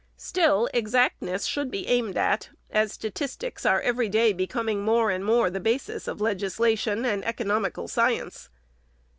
Still exactness should be aimed at, as statistics are every day becoming more and more the basis of legislation and economical science.